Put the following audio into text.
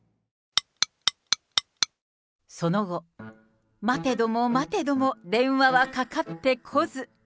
その後、待てども待てども電話はかかってこず。